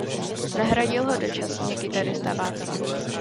Nahradil ho dočasně kytarista Václav.